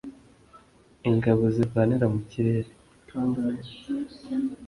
ingabo zirwanira mu kirere